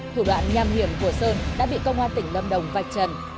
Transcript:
thủ đoạn nham hiểm của sơn đã bị công an tỉnh lâm đồng vạch trần